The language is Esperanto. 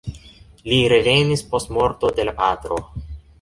Li revenis post morto de la patro.